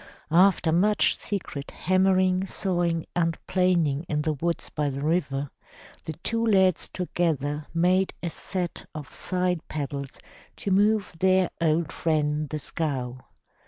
After much secret hammering, sawing and planing in the woods by the river, the two lads together made a set of side paddles to move their old friend, the scow.